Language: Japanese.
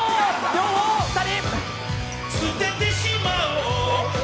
両方２人！